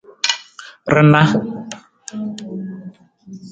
Rana.